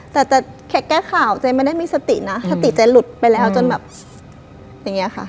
แต่แค่แก้ข่าวเจ๊ไม่ได้มีสตินะสติเจ๊หลุดไปแล้วจนแบบอย่างนี้ค่ะ